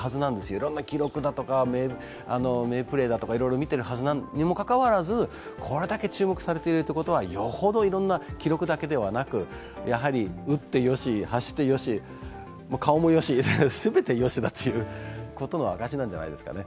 いろんな記録だとか名プレーとか見ているにもかかわらずこれだけ注目されているということはよほど、記録だけでなく打ってよし、走ってよし、顔もよし、全てよしだということの証しなんじゃないですかね。